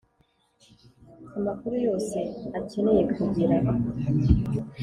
amakuru yose akeneye kugira